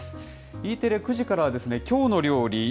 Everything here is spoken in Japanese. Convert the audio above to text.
Ｅテレ、９時からは、きょうの料理。